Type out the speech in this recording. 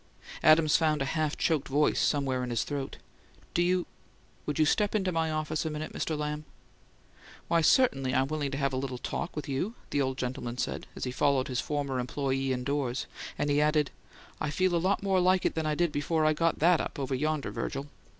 Adams found a half choked voice somewhere in his throat. "Do you would you step into my office a minute, Mr. Lamb?" "Why, certainly I'm willing to have a little talk with you," the old gentleman said, as he followed his former employee indoors, and he added, "I feel a lot more like it than I did before I got THAT up, over yonder, Virgil!"